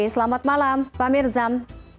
selamat malam pak mirzam